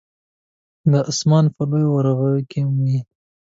د اسمان په لوی ورغوي کې مې